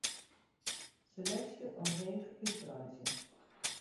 Seleksje omheech útwreidzje.